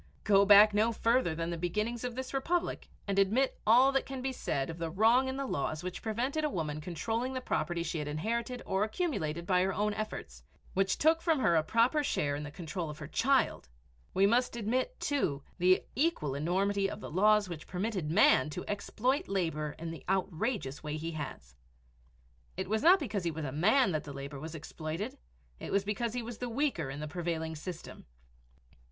Go back no further than the beginnings of this Republic and admit all that can be said of the wrong in the laws which prevented a woman controlling the property she had inherited or accumulated by her own efforts, which took from her a proper share in the control of her child, we must admit, too, the equal enormity of the laws which permitted man to exploit labor in the outrageous way he has. It was not because he was a man that the labor was exploited it was because he was the weaker in the prevailing system.